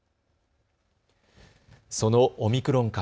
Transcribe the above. そのオミクロン株。